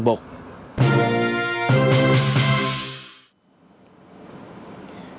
hầm hải vân một